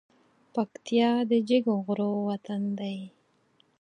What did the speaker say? پکتيا د جګو غرو وطن دی